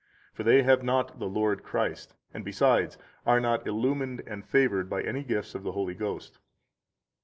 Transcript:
For they have not the Lord Christ, and, besides, are not illumined and favored by any gifts of the Holy Ghost.